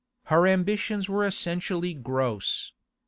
Her ambitions were essentially gross.